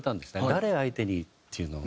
誰相手に？っていうのを。